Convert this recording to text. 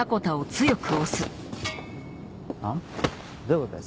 あ？どういうことだよ。